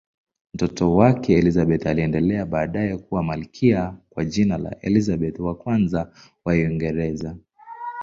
Mtoto wake Elizabeth aliendelea baadaye kuwa malkia kwa jina la Elizabeth I wa Uingereza.